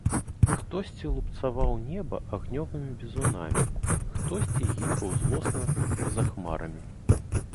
Хтосьці лупцаваў неба агнёвымі бізунамі, хтосьці гікаў злосна па-за хмарамі.